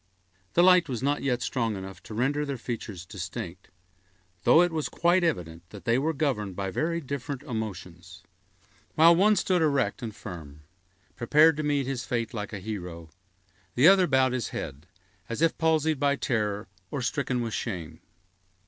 The light was not strong enough to render their features distinct, though it was quite evident that they were governed by very different emotions. While one stood erect and firm, prepared to meet his fate like a hero, the other bowed his head, as if palsied by terror or stricken with shame.